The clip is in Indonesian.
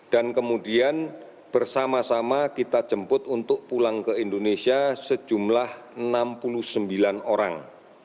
dan kemudian bersama sama kita jemput untuk pulang ke indonesia sejumlah enam puluh sembilan orang